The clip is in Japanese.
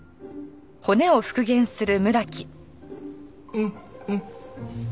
うんうん。